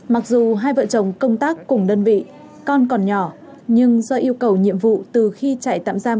mặc dù hai vợ chồng công tác cùng đơn vị con còn nhỏ nhưng do yêu cầu nhiệm vụ từ khi trại tạm giam